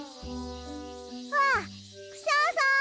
あクシャさん！